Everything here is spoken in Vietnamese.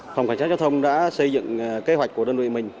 phòng cảnh sát giao thông đã xây dựng kế hoạch của đơn vị mình